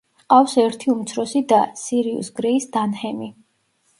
ჰყავს ერთი უმცროსი და, სირიუს გრეის დანჰემი.